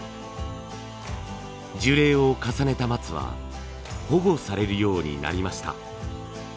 樹齢を重ねた松は保護されるようになりました。